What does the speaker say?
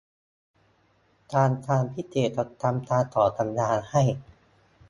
การทางพิเศษจะทำการต่อสัญญาให้